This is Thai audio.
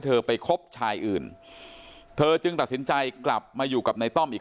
เธอไปคบชายอื่นเธอจึงตัดสินใจกลับมาอยู่กับในต้อมอีก